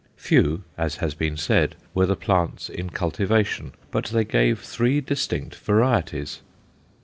Few, as has been said, were the plants in cultivation, but they gave three distinct varieties.